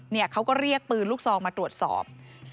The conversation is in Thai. เขาก็เรียกปืนลูกซองมาตรวจสอบ